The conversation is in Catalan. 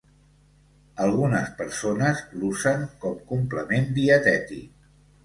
Algunes persones l'usen com complement dietètic.